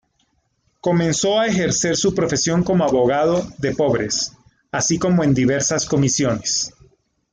Comenzó a ejercer su profesión como abogado de pobres, así como en diversas comisiones.